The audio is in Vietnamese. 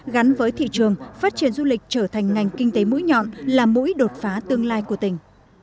gắn với thị trường phát triển du lịch trở thành ngành kinh tế mũi nhọn là mũi đột phá tương lai của tỉnh